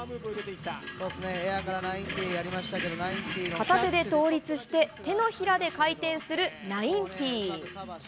片手で倒立して、手のひらで回転する１９９０。